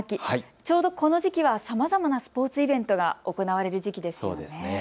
ちょうどこの時期はさまざまなスポーツイベントが行われる時期ですよね。